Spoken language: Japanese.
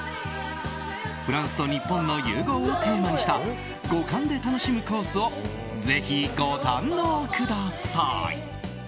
フランスと日本の融合をテーマにした五感で楽しむコースをぜひご堪能ください。